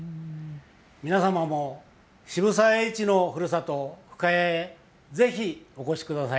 皆様も渋沢栄一のふるさと、深谷へぜひ、お越しください。